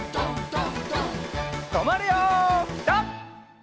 とまるよピタ！